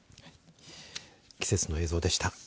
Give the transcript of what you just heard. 季節の映像でした。